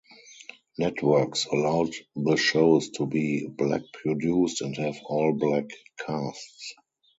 Networks allowed the shows to be black-produced and have all-black casts.